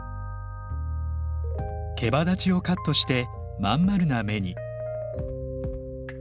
けばだちをカットして真ん丸な目に。